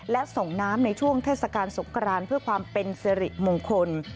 และส่งน้ำในช่วงเทศกาลสงกรานเพื่อความเป็นสิริมงคล